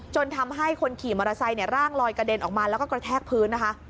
จนทำให้คนขี่มอเตอร์ไซค์ร่างลอยกระเด็นออกมาแล้วก็กระแทกพื้นนะคะ